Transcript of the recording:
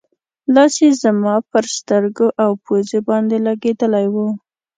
لاس یې زما پر سترګو او پوزې باندې لګېدلی و.